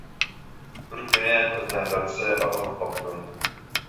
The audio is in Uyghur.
بىر كۈنى قىزنىڭ دادىسى ئاغرىپ قاپتۇ.